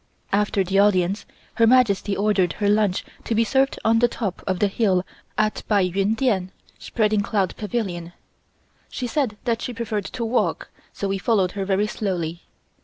After the audience, Her Majesty ordered her lunch to be served on the top of the hill at Pai Yuen Dien (Spreading Cloud Pavilion). She said that she preferred to walk, so we followed her very slowly.